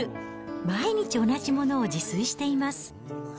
毎日同じものを自炊しています。